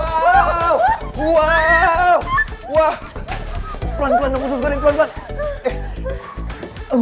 pelan pelan dong ususkan ini pelan pelan